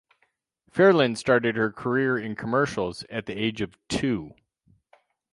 Ferland started her career in commercials at the age of two.